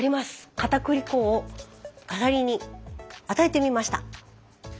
かたくり粉をアサリに与えてみました。